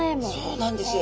そうなんです。